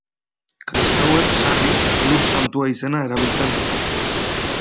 Kristauek, sarri, Lur Santua izena erabiltzen dute.